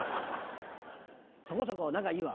そこそこ仲いいわ。